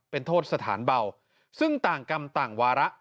เป็นโทษสถานเบาซึ่งต่างกรรมต่างวาระ